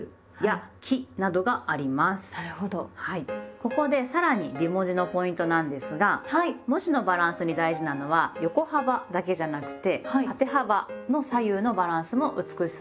ここでさらに美文字のポイントなんですが文字のバランスに大事なのは横幅だけじゃなくて縦幅の左右のバランスも美しさのポイントです。